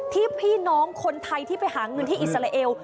พี่น้องคนไทยที่ไปหาเงินที่อิสราเอล